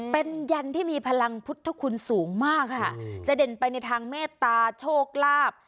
เป็นยันที่มีพลังพุทธคุณสูงมากค่ะจะเด่นไปในทางเมตตาโชคลาภ